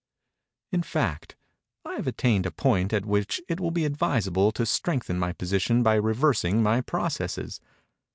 In fact, I have attained a point at which it will be advisable to strengthen my position by reversing my processes.